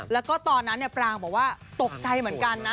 แล้วก็ตอนนั้นปรางบอกว่าตกใจเหมือนกันนะ